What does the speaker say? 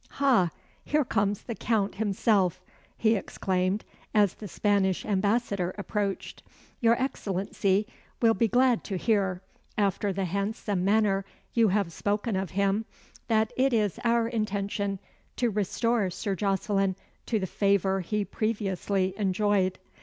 Ha! here comes the Count himself," he exclaimed, as the Spanish Ambassador approached. "Your Excellency will be glad to hear, after the handsome manner you have spoken of him, that it is our intention to restore Sir Jocelyn to the favour he previously enjoyed.